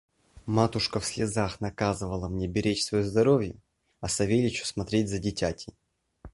Матушка в слезах наказывала мне беречь мое здоровье, а Савельичу смотреть за дитятей.